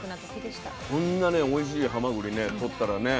こんなねおいしいはまぐりねとったらね